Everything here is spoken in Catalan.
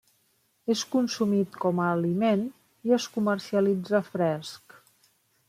És consumit com a aliment i es comercialitza fresc.